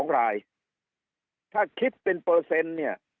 ๒รายถ้าคิดเป็นเปอร์เซ็นต์เนี่ย